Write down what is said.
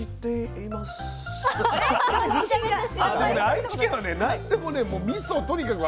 愛知県はね何でもねもうみそをとにかく。